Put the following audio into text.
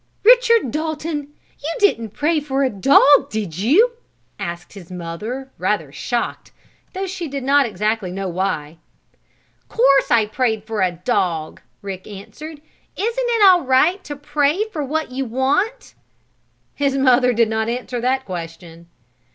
"Richard Dalton! You didn't pray for a dog; did you?" asked his mother, rather shocked, though she did not know exactly why. "Course I prayed for a dog," Rick answered. "Isn't it all right to pray for what you want?" His mother did not answer that question.